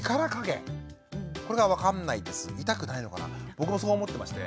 僕もそう思ってまして。